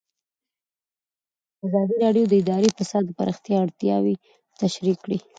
ازادي راډیو د اداري فساد د پراختیا اړتیاوې تشریح کړي.